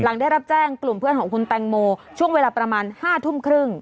ได้รับแจ้งกลุ่มเพื่อนของคุณแตงโมช่วงเวลาประมาณ๕ทุ่มครึ่ง